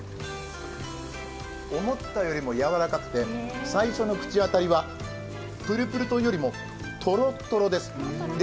思ったよりもやわらかくて最初の口当たりはプルプルというよりもとろっとろです。